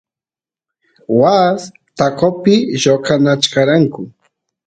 waas taqopi lloqanachkaranku